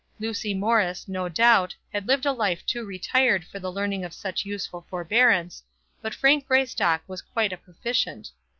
Lucy Morris, no doubt, had lived a life too retired for the learning of such useful forbearance, but Frank Greystock was quite a proficient.